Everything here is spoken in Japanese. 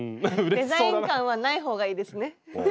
デザイン感はない方がいいですね。